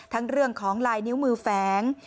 เรื่องของลายนิ้วมือแฝง